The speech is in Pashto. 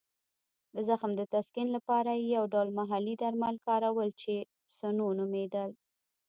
د زخم د تسکین لپاره یې یو ډول محلي درمل کارول چې سنو نومېدل.